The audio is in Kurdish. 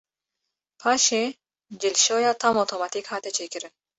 Paşê cilşoya tam otomatik hate çêkirin.